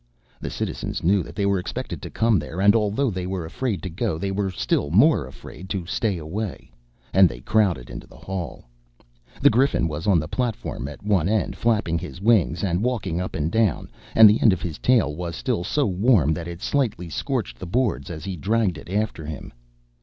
The citizens knew that they were expected to come there, and although they were afraid to go, they were still more afraid to stay away; and they crowded into the hall. The Griffin was on the platform at one end, flapping his wings and walking up and down, and the end of his tail was still so warm that it slightly scorched the boards as he dragged it after him.